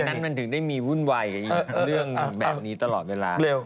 ทำไมตึกนั้นมันถึงได้มีวุ่นไหวในประโยชน์แบบนี้ตลอดเวลา